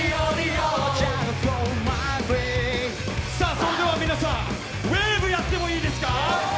それでは皆さん、ウェーブやってもいいですか。